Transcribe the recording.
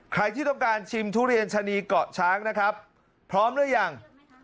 ใครที่ต้องการชิมทุเรียนชะนีเกาะช้างนะครับพร้อมหรือยัง